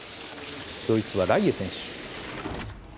ドイツはライエ選手。